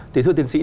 thưa tiến sĩ